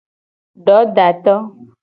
Dodato.